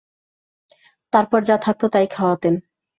তারপর যা থাকত তাই খাওয়াতেন।